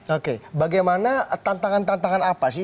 oke bagaimana tantangan tantangan apa sih